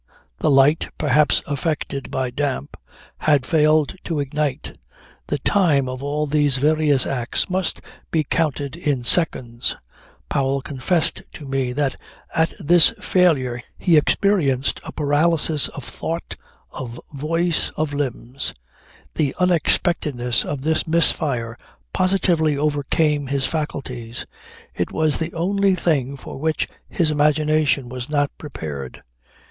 The light (perhaps affected by damp) had failed to ignite. The time of all these various acts must be counted in seconds. Powell confessed to me that at this failure he experienced a paralysis of thought, of voice, of limbs. The unexpectedness of this misfire positively overcame his faculties. It was the only thing for which his imagination was not prepared.